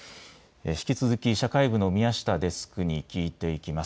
引き続き社会部の宮下デスクに聞いていきます。